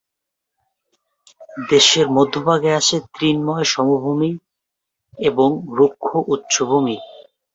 দেশের মধ্যভাগে আছে তৃণময় সমভূমি এবং রুক্ষ উচ্চভূমি।